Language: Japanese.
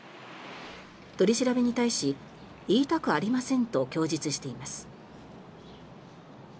取り調べに対し言いたくありませんと供述しています。